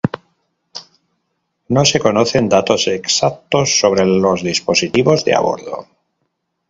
No se conocen datos exactos sobre los dispositivos de a bordo.